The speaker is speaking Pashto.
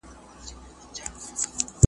خدایه بیرته هغه تللی بیرغ غواړم .